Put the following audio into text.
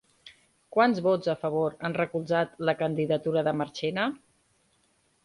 Quants vots a favor han recolzat la candidatura de Marchena?